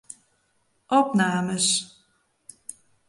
Opnames.